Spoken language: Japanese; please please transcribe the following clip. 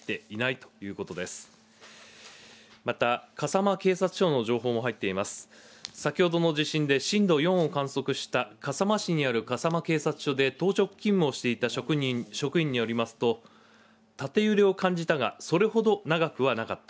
先ほどの地震で震度４を観測した笠間市にある笠間警察署で当直勤務をしていた職員によりますと、縦揺れを感じたがそれほど長くはなかった。